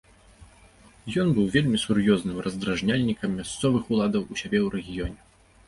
Ён быў вельмі сур'ёзным раздражняльнікам мясцовых уладаў у сябе ў рэгіёне.